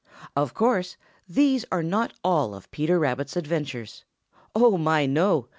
Of course these are not all of Peter Rabbit's adventures. Oh my, no!